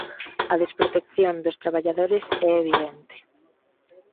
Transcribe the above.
A desprotección dos traballadores é evidente.